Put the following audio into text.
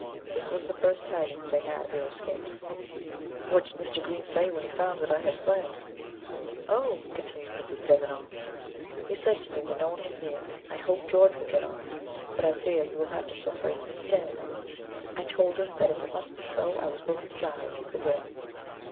This was the first tidings they had of your escape." "What did Mr. Green say when he found that I had fled?" "Oh!" continued Mrs. Devenant, "he said to me when no one was near, I hope George will get off, but I fear you will have to suffer in his stead. I told him that if it must be so I was willing to die if you could live."